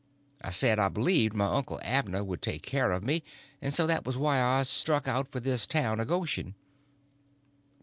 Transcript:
I said I believed my uncle Abner Moore would take care of me, and so that was why I struck out for this town of Goshen.